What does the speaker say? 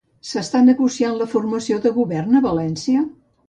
S'està negociant la formació de govern a València?